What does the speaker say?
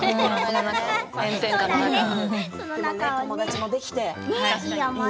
友達もできてね。